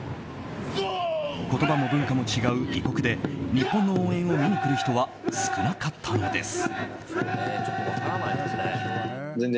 言葉も文化も違う異国で日本の応援を見に来る人は少なかったんです。